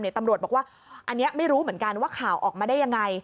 ตำรวจบอกว่าอันนี้ไม่รู้เหมือนกันว่าข่าวออกมาได้ยังไง